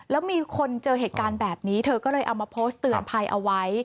แล้วมีคนเจอเหตุการณ์แบบนี้เธอก็เลยเอามาโพสต์เตือนภัยเอาไว้